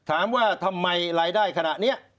ถามว่าทำไมรายได้ขณะนี้